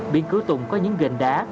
biên cửa tùng có những gền đá